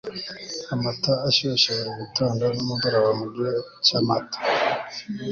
amata ashyushye buri gitondo nimugoroba mugihe cyamata